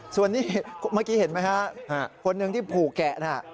ส่วนนี้เมื่อกี้เห็นไหมฮะคนหนึ่งที่ผูกแกะน่ะ